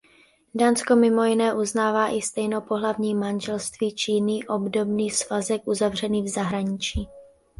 Dánsko mimo jiné uznává i stejnopohlavní manželství či jiný obdobný svazek uzavřený v zahraničí.